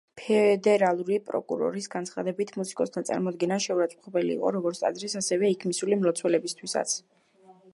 ფედერალური პროკურორის განცხადებით, მუსიკოსთა წარმოდგენა შეურაცხმყოფელი იყო როგორც ტაძრის, ასევე იქ მისული მლოცველებისთვისაც.